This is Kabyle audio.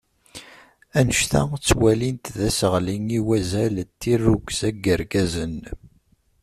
Anect-a ttwalin-t d aseɣli i wazal n tirrugza n yigazen.